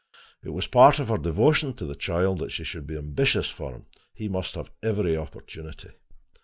It was a part of her devotion to the child that she should be ambitious for him: he must have every opportunity.